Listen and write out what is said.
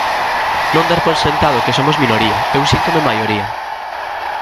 Non dar por sentado que somos minoría, eu síntome maioría.